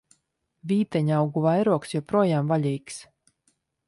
Vīteņaugu vairogs joprojām vaļīgs!